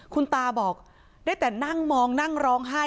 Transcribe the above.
คุณตาบอกได้แต่นั่งมองนั่งร้องไห้